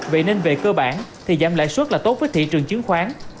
vậy nên về cơ bản thì giảm lãi suất là tốt với thị trường chứng khoán